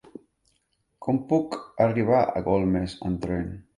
Com puc arribar a Golmés amb tren?